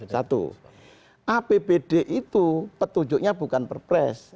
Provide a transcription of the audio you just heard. satu apbd itu petunjuknya bukan perpres